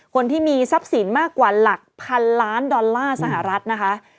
คนที่มีทรัพย์สินมากกว่าหลักพันล้านดอลลาร์สหรัฐนะคะ